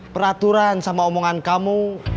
peraturan sama omongan kamu